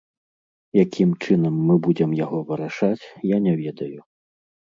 Якім чынам мы будзем яго вырашаць, я не ведаю.